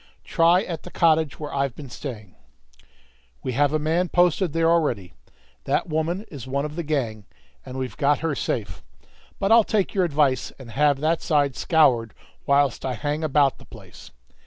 "Try at the cottage where I've been staying." "We have a man posted there already. That woman is one of the gang, and we've got her safe. But I'll take your advice, and have that side scoured whilst I hang about the place."